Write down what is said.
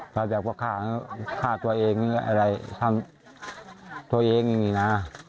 ตายแบบว่าฆ่าตัวเองนี่อะไรทำตัวเองมีมีน่า